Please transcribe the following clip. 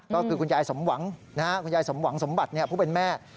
ก็คือคุณยายสมหวังคุณยายสมหวังสมบัติผู้เป็นแม่